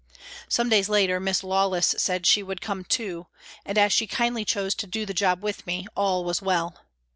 Some days later Miss Lawless said she would come too, and, as she kindly chose to do the job with me, all was well.